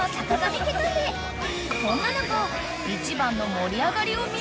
［そんな中］